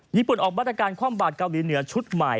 ญี่ปุ่นออกมาตรการคว่ำบาดเกาหลีเหนือชุดใหม่